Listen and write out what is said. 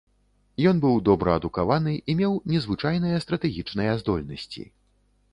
Ён быў добра адукаваны і меў незвычайныя стратэгічныя здольнасці.